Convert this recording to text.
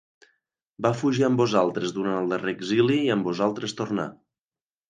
Va fugir amb vosaltres durant el darrer exili i amb vosaltres tornà.